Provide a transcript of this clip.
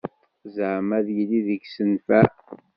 Zeɛma ad yili deg-s nnfeɛ.